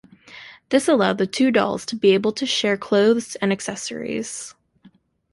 This allowed the two dolls to be able to share clothes and accessories.